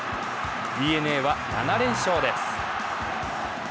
ＤｅＮＡは７連勝です。